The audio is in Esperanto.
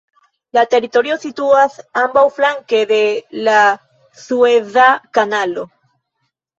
La teritorio situas ambaŭflanke de la Sueza Kanalo.